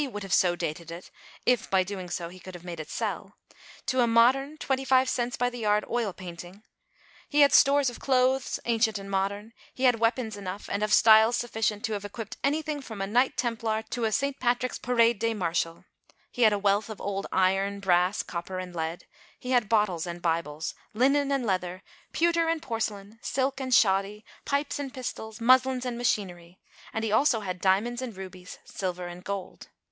would have so dated it, if, by so doing, he could have made it sell) to a modern twenty five cents by the yard oil painting ; he had stores of clothes, ancient and modern ; he had weapons enough, and of styles sufficient, to have equipped any thing from a knight templar to a St. Patrick's parade day marshal ; he had a wealth of old iron, brass, copper and lead ; he had bottles and Bibles, linen and leather, pewter and porcelain, silk and shoddy, pipes and pistols, muslins and machinery ; and he also had diamonds and rubies, silver and gold.